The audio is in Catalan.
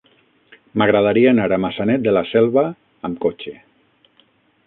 M'agradaria anar a Maçanet de la Selva amb cotxe.